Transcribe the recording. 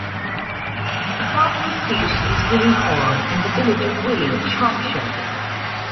The family seat is Willey Hall, in the village of Willey, Shropshire.